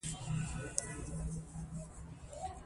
ایوب خان به خېمې درولې وې.